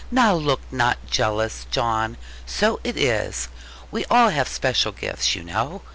Now look not jealous, John: so it is. We all have special gifts, you know.